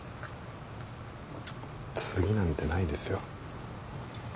次なんてないですよ。